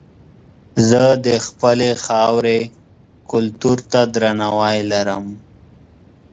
زه د خپلې خاورې کلتور ته درناوی لرم.